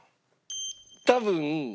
多分。